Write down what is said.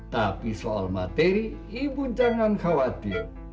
tapi soal materi ibu jangan khawatir